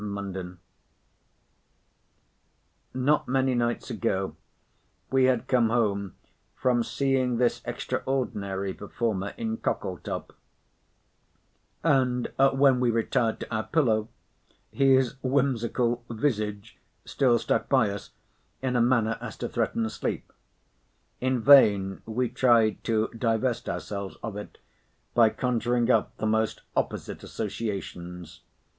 MR. MUNDEN Not many nights ago we had come home from seeing this extraordinary performer in Cockletop; and when we retired to our pillow, his whimsical image still stuck by us, in a manner as to threaten sleep. In vain we tried to divest ourselves of it by conjuring up the most opposite associations.